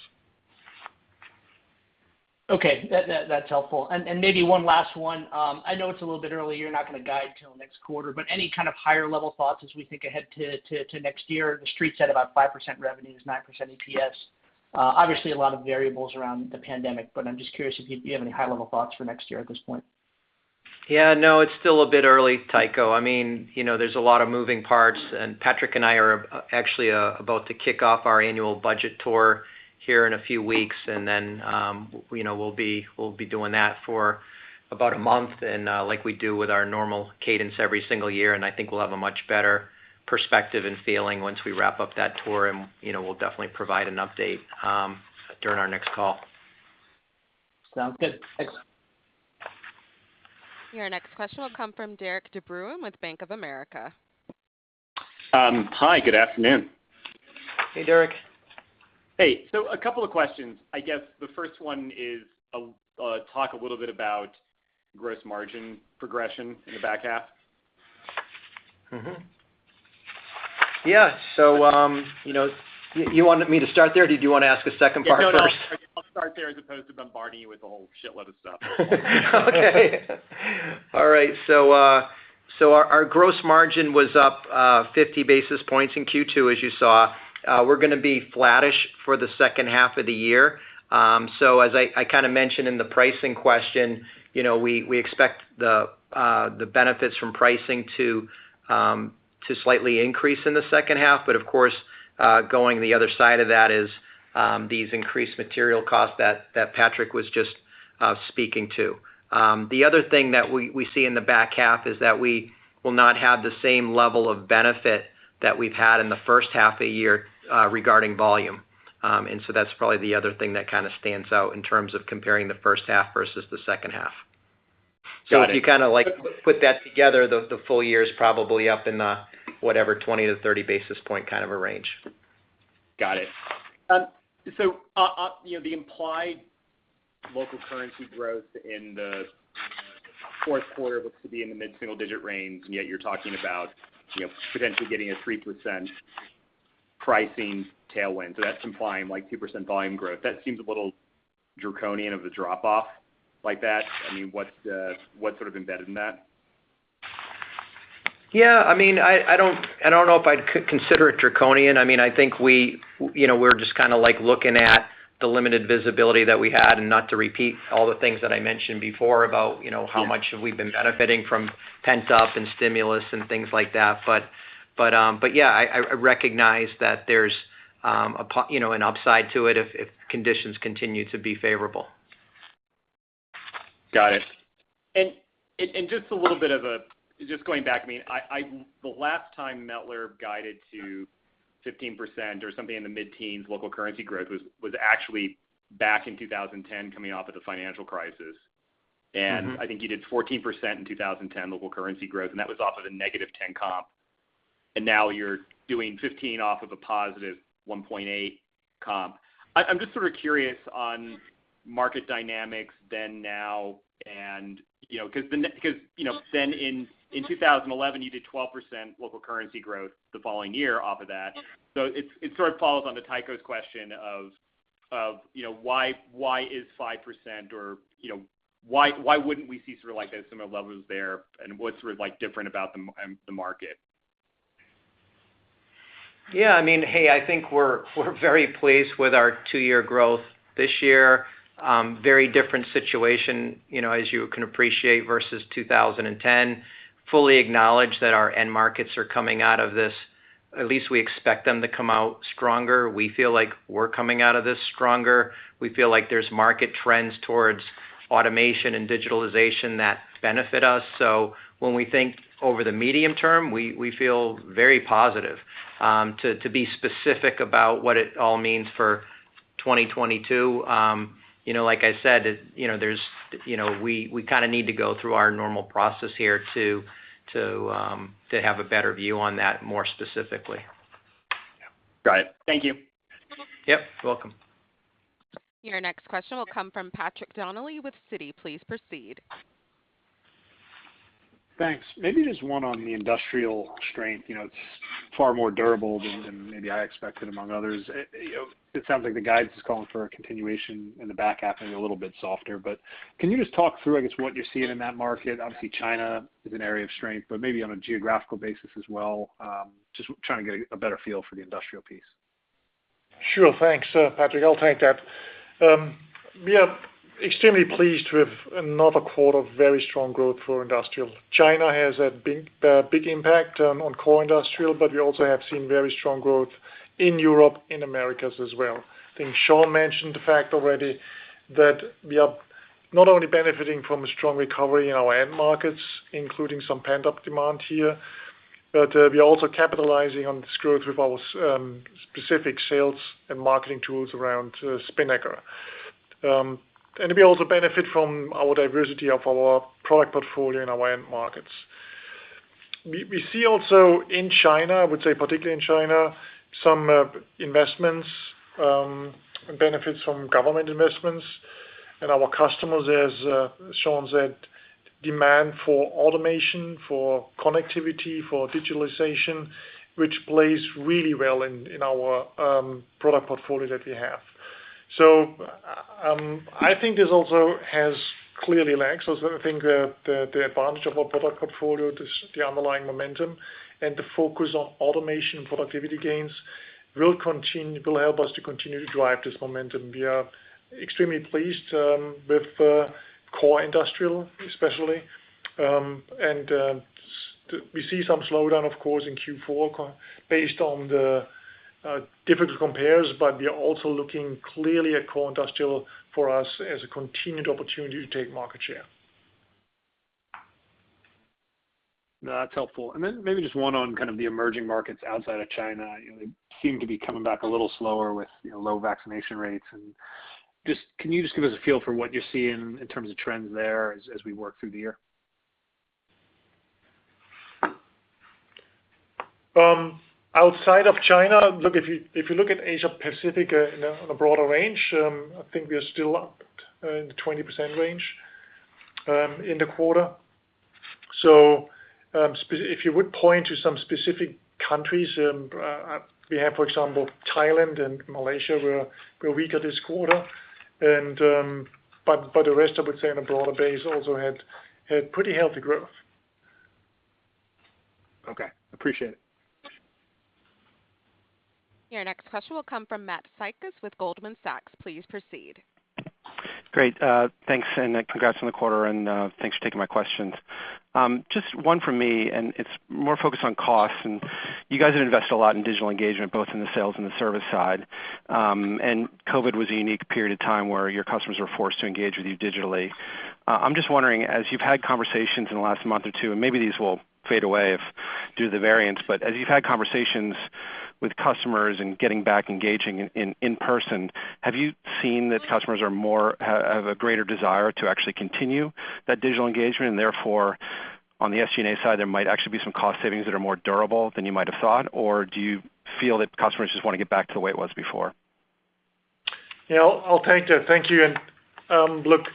Speaker 8: Okay. That's helpful. Maybe one last one. I know it's a little bit early, you're not going to guide till next quarter, but any kind of higher level thoughts as we think ahead to next year? The Street's at about 5% revenue is 9% EPS. Obviously, a lot of variables around the pandemic, but I'm just curious if you have any high-level thoughts for next year at this point.
Speaker 4: Yeah, no, it's still a bit early, Tycho. There's a lot of moving parts, and Patrick and I are actually about to kick off our annual budget tour here in a few weeks. Then we'll be doing that for about a month, and like we do with our normal cadence every single year, and I think we'll have a much better perspective and feeling once we wrap up that tour, and we'll definitely provide an update during our next call.
Speaker 8: Sounds good. Thanks.
Speaker 1: Your next question will come from Derik de Bruin with Bank of America.
Speaker 9: Hi, good afternoon.
Speaker 4: Hey, Derik.
Speaker 9: Hey. A couple of questions. I guess the first one is, talk a little bit about gross margin progression in the back half.
Speaker 4: Yeah. You wanted me to start there or did you want to ask a second part first?
Speaker 9: No, no. I'll start there as opposed to bombarding you with a whole shitload of stuff.
Speaker 4: Okay. All right. Our gross margin was up 50 basis points in Q2, as you saw. We're going to be flattish for the second half of the year. As I kind of mentioned in the pricing question, we expect the benefits from pricing to slightly increase in the second half. Of course, going the other side of that is these increased material costs that Patrick was just speaking to. The other thing that we see in the back half is that we will not have the same level of benefit that we've had in the first half of the year regarding volume. That's probably the other thing that kind of stands out in terms of comparing the first half versus the second half.
Speaker 9: Got it.
Speaker 4: If you put that together, the full year is probably up in the, whatever, 20 to 30 basis points kind of a range.
Speaker 9: Got it. The implied local currency growth in the fourth quarter looks to be in the mid-single-digit range, and yet you're talking about potentially getting a 3% pricing tailwind. That's implying 2% volume growth. That seems a little draconian of a drop-off like that. What's embedded in that?
Speaker 4: Yeah. I don't know if I'd consider it draconian. I think we're just looking at the limited visibility that we had. Not to repeat all the things that I mentioned before about how much have we been benefiting from pent-up and stimulus and things like that. Yeah, I recognize that there's an upside to it if conditions continue to be favorable.
Speaker 9: Got it. Just going back, the last time Mettler-Toledo guided to 15% or something in the mid-teens local currency growth was actually back in 2010 coming off of the financial crisis. I think you did 14% in 2010 local currency growth, and that was off of a -10 comp. Now you're doing 15 off of a +1.8 comp. I'm just sort of curious on market dynamics then, now. Then in 2010 you did 12% local currency growth the following year off of that. It sort of follows onto Tycho's question of why is 5% or why wouldn't we see sort of like those similar levels there and what's different about the market?
Speaker 4: Yeah. I think we're very pleased with our two-year growth this year. Very different situation, as you can appreciate, versus 2010. Fully acknowledge that our end markets are coming out of this, at least we expect them to come out stronger. We feel like we're coming out of this stronger. We feel like there's market trends towards automation and digitalization that benefit us. When we think over the medium term, we feel very positive. To be specific about what it all means for 2022, like I said, we kind of need to go through our normal process here to have a better view on that more specifically.
Speaker 9: Yeah. Got it. Thank you.
Speaker 4: Yep. Welcome.
Speaker 1: Your next question will come from Patrick Donnelly with Citi. Please proceed.
Speaker 10: Thanks. Maybe just one on the industrial strength. It's far more durable than maybe I expected among others. It sounds like the guidance is calling for a continuation in the back half and a little bit softer. Can you just talk through, I guess, what you're seeing in that market? Obviously, China is an area of strength. Maybe on a geographical basis as well. Just trying to get a better feel for the industrial piece.
Speaker 3: Sure. Thanks, Patrick. I'll take that. We are extremely pleased to have another quarter of very strong growth for industrial. China has a big impact on core industrial, but we also have seen very strong growth in Europe, in Americas as well. I think Shawn mentioned the fact already that we are not only benefiting from a strong recovery in our end markets, including some pent-up demand here, but we are also capitalizing on this growth with our specific sales and marketing tools around Spinnaker. We also benefit from our diversity of our product portfolio in our end markets. We see also in China, I would say particularly in China, some investments, benefits from government investments and our customers, as Shawn said, demand for automation, for connectivity, for digitalization, which plays really well in our product portfolio that we have. I think this also has clearly legs. I think the advantage of our product portfolio, the underlying momentum and the focus on automation productivity gains will help us to continue to drive this momentum. We are extremely pleased with core industrial, especially. We see some slowdown, of course, in Q4 based on the difficult compares, but we are also looking clearly at core industrial for us as a continued opportunity to take market share.
Speaker 10: That's helpful. Maybe just one on kind of the emerging markets outside of China. They seem to be coming back a little slower with low vaccination rates and just can you just give us a feel for what you're seeing in terms of trends there as we work through the year?
Speaker 3: Outside of China, if you look at Asia Pacific in a broader range, I think we are still up in the 20% range in the quarter. If you would point to some specific countries, we have, for example, Thailand and Malaysia were weaker this quarter. The rest, I would say on a broader base, also had pretty healthy growth.
Speaker 10: Okay, appreciate it.
Speaker 1: Your next question will come from Matt Sykes with Goldman Sachs. Please proceed.
Speaker 11: Great. Thanks, and congrats on the quarter and thanks for taking my questions. Just one from me, and it's more focused on costs, and you guys have invested a lot in digital engagement, both in the sales and the service side. COVID was a unique period of time where your customers were forced to engage with you digitally. I'm just wondering, as you've had conversations in the last month or two, and maybe these will fade away due to the variants, but as you've had conversations with customers and getting back engaging in person, have you seen that customers have a greater desire to actually continue that digital engagement and therefore on the SG&A side, there might actually be some cost savings that are more durable than you might have thought? Do you feel that customers just want to get back to the way it was before?
Speaker 3: Yeah, I'll take that. Thank you. Look,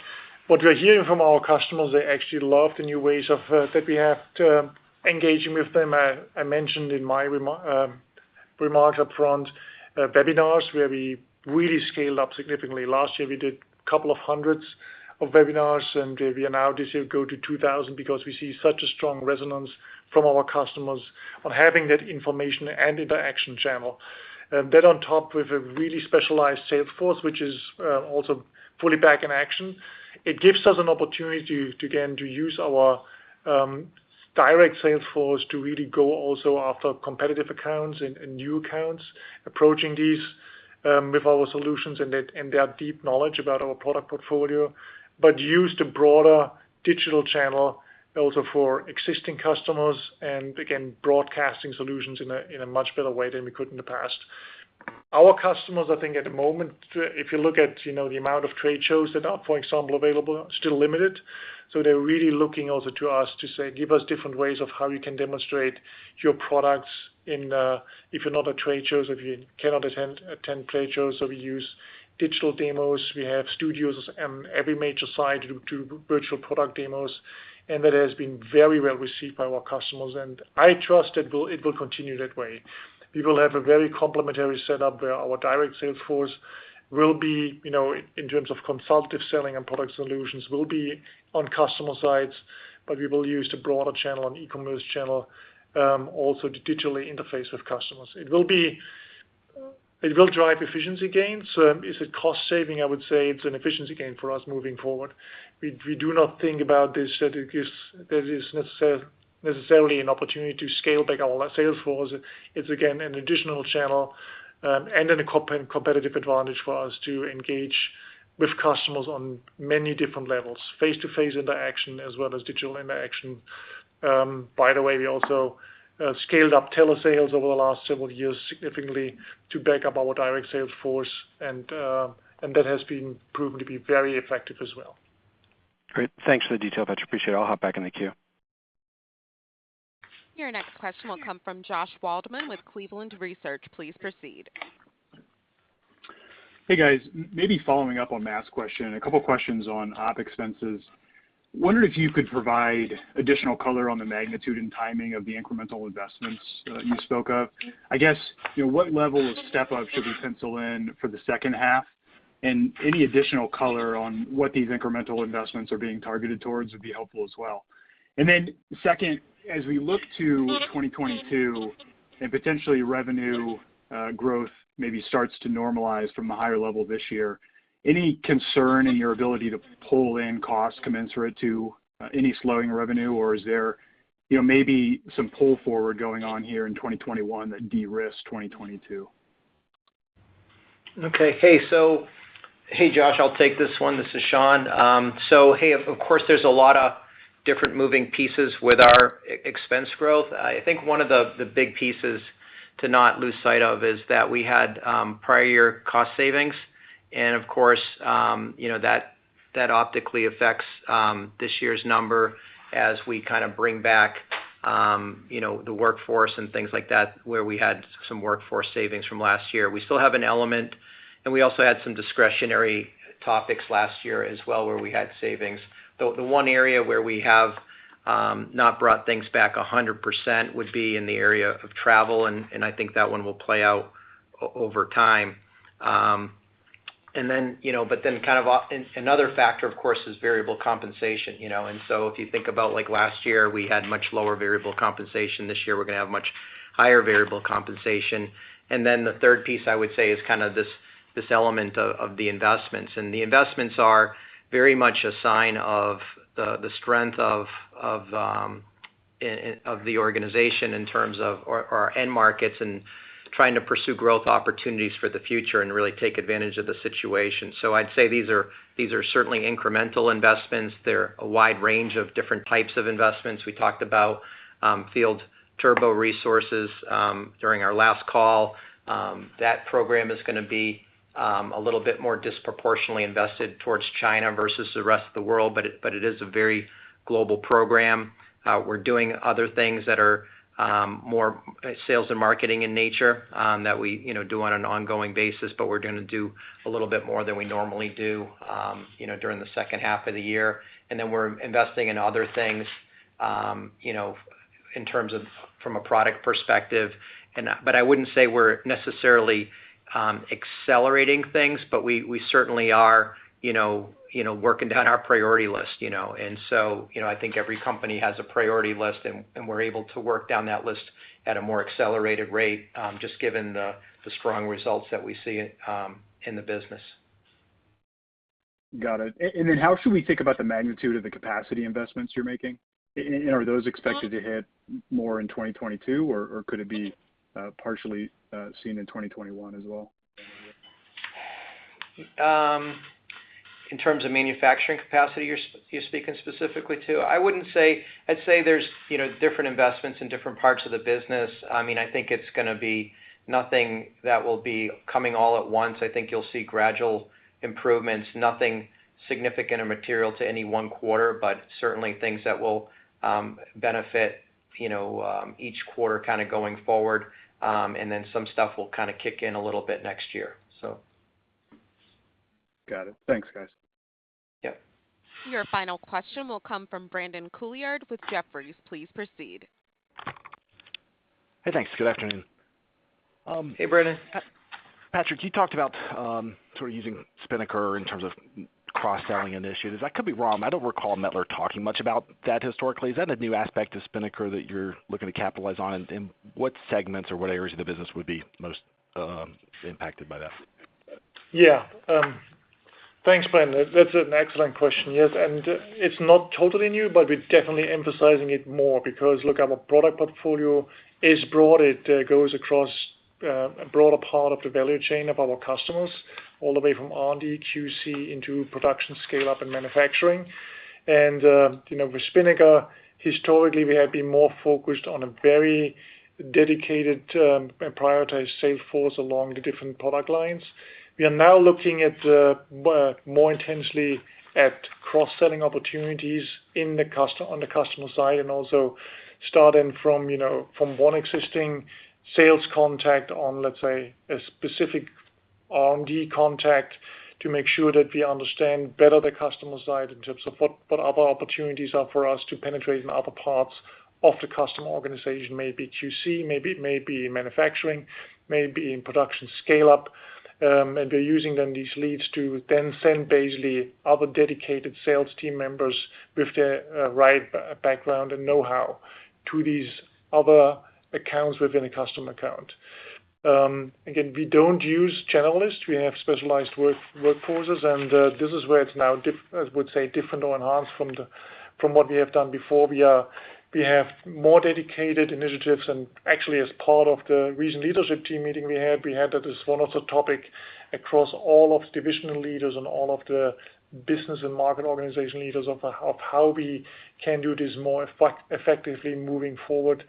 Speaker 3: what we're hearing from our customers, they actually love the new ways that we have to engaging with them. I mentioned in my remark upfront, webinars, where we really scaled up significantly. Last year, we did couple of hundreds of webinars, and we now this year go to 2,000 because we see such a strong resonance from our customers on having that information and interaction channel. That on top with a really specialized sales force, which is also fully back in action. It gives us an opportunity to, again, to use our direct sales force to really go also after competitive accounts and new accounts, approaching these with our solutions and their deep knowledge about our product portfolio, but use the broader digital channel also for existing customers and again, broadcasting solutions in a much better way than we could in the past. Our customers, I think at the moment, if you look at the amount of trade shows that are, for example, available, still limited. They're really looking also to us to say, "Give us different ways of how you can demonstrate your products if you're not at trade shows or if you cannot attend trade shows." We use digital demos, we have studios on every major site to do virtual product demos, and that has been very well received by our customers. I trust it will continue that way. We will have a very complementary setup where our direct sales force will be, in terms of consultative selling and product solutions, will be on customer sites, but we will use the broader channel and e-commerce channel, also to digitally interface with customers. It will drive efficiency gains. Is it cost saving? I would say it's an efficiency gain for us moving forward. We do not think about this that it is necessarily an opportunity to scale back our sales force. It's again, an additional channel, and then a competitive advantage for us to engage with customers on many different levels, face-to-face interaction as well as digital interaction. By the way, we also scaled up telesales over the last several years significantly to back up our direct sales force, and that has proven to be very effective as well.
Speaker 11: Great. Thanks for the detail, Patrick. Appreciate it. I'll hop back in the queue.
Speaker 1: Your next question will come from Josh Waldman with Cleveland Research. Please proceed.
Speaker 12: Hey, guys. Maybe following up on Matt's question, a couple questions on OpEx. Wondering if you could provide additional color on the magnitude and timing of the incremental investments that you spoke of. I guess, what level of step-up should we pencil in for the second half? Any additional color on what these incremental investments are being targeted towards would be helpful as well. Second, as we look to 2022 and potentially revenue growth maybe starts to normalize from a higher level this year, any concern in your ability to pull in costs commensurate to any slowing revenue, or is there maybe some pull forward going on here in 2021 that de-risks 2022?
Speaker 4: Okay. Hey, Josh, I'll take this one. This is Shawn. Of course, there's a lot of different moving pieces with our expense growth. I think one of the big pieces to not lose sight of is that we had prior year cost savings, and of course, that optically affects this year's number as we kind of bring back the workforce and things like that, where we had some workforce savings from last year. We still have an element, and we also had some discretionary topics last year as well where we had savings. The one area where we have not brought things back 100% would be in the area of travel, and I think that one will play out over time. Another factor, of course, is variable compensation. If you think about last year, we had much lower variable compensation. This year, we're going to have much higher variable compensation. The third piece, I would say, is kind of this element of the investments, and the investments are very much a sign of the strength of the organization in terms of our end markets and trying to pursue growth opportunities for the future and really take advantage of the situation. I'd say these are certainly incremental investments. They're a wide range of different types of investments. We talked about Field Turbo resources during our last call. That program is going to be a little bit more disproportionately invested towards China versus the rest of the world, but it is a very global program. We're doing other things that are more sales and marketing in nature that we do on an ongoing basis, but we're going to do a little bit more than we normally do during the second half of the year. Then we're investing in other things in terms of from a product perspective, but I wouldn't say we're necessarily accelerating things, but we certainly are working down our priority list. I think every company has a priority list, and we're able to work down that list at a more accelerated rate, just given the strong results that we see in the business.
Speaker 12: Got it. How should we think about the magnitude of the capacity investments you're making? Are those expected to hit more in 2022, or could it be partially seen in 2021 as well?
Speaker 4: In terms of manufacturing capacity, you're speaking specifically to? I'd say there's different investments in different parts of the business. I think it's going to be nothing that will be coming all at once. I think you'll see gradual improvements, nothing significant or material to any one quarter, but certainly things that will benefit each quarter kind of going forward. Some stuff will kind of kick in a little bit next year.
Speaker 12: Got it. Thanks, guys.
Speaker 4: Yep.
Speaker 1: Your final question will come from Brandon Couillard with Jefferies. Please proceed.
Speaker 13: Hey, thanks. Good afternoon.
Speaker 4: Hey, Brandon.
Speaker 13: Patrick, you talked about sort of using Spinnaker in terms of cross-selling initiatives. I could be wrong, I don't recall Mettler talking much about that historically. Is that a new aspect of Spinnaker that you're looking to capitalize on? What segments or what areas of the business would be most impacted by that?
Speaker 3: Thanks, Brandon. That's an excellent question. Yes, it's not totally new, but we're definitely emphasizing it more because, look, our product portfolio is broad. It goes across a broader part of the value chain of our customers, all the way from R&D, QC into production scale-up and manufacturing. With Spinnaker, historically, we have been more focused on a very dedicated and prioritized sales force along the different product lines. We are now looking more intensely at cross-selling opportunities on the customer side, also starting from one existing sales contact on, let's say, a specific R&D contact to make sure that we understand better the customer side in terms of what other opportunities are for us to penetrate in other parts of the customer organization. Maybe QC, maybe manufacturing, maybe in production scale-up. We're using then these leads to then send basically other dedicated sales team members with the right background and know-how to these other accounts within a customer account. Again, we don't use generalists. We have specialized workforces, and this is where it's now, I would say, different or enhanced from what we have done before. We have more dedicated initiatives, and actually, as part of the recent leadership team meeting we had, we had that as one of the topic across all of divisional leaders and all of the business and market organization leaders of how we can do this more effectively moving forward,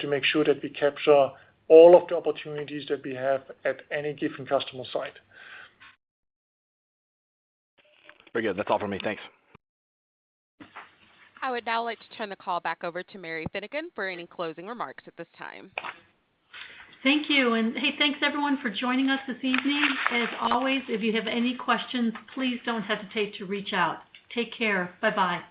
Speaker 3: to make sure that we capture all of the opportunities that we have at any given customer site.
Speaker 13: Very good. That's all for me. Thanks.
Speaker 1: I would now like to turn the call back over to Mary Finnegan for any closing remarks at this time.
Speaker 2: Thank you. Hey, thanks, everyone, for joining us this evening. As always, if you have any questions, please don't hesitate to reach out. Take care. Bye-bye.